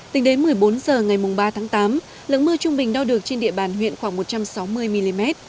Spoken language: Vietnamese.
tính đến một mươi bốn h ngày ba tháng tám lượng mưa trung bình đo được trên địa bàn huyện khoảng một trăm sáu mươi mm